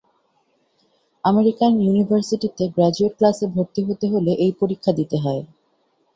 American ইউনিভার্সিটিতে graduate ক্লাসে ভরতি হতে হলে এই পরীক্ষা দিতে হয়।